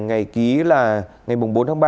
ngày ký là ngày bốn tháng ba